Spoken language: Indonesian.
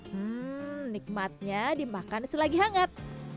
hmm nikmatnya dimakan selagi hangat